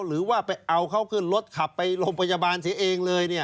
หรือว่าไปเอาเขาขึ้นรถขับไปโรงพยาบาลเสียเองเลย